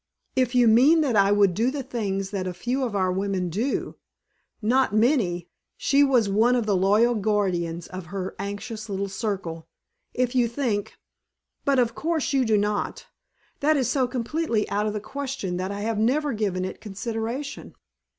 "If you mean that I would do the things that a few of our women do not many (she was one of the loyal guardians of her anxious little circle) if you think but of course you do not. That is so completely out of the question that I have never given it consideration.